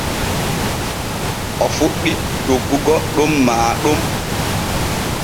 O fuɗɗi doggugo ɗon maa ɗon.